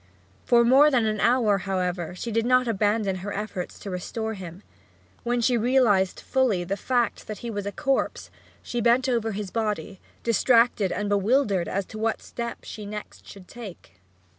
For more than an hour, however, she did not abandon her efforts to restore him; when she fully realized the fact that he was a corpse she bent over his body, distracted and bewildered as to what step she next should take.